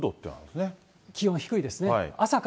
気温は低いですね。